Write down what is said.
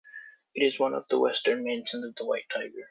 It is one of the western mansions of the White Tiger.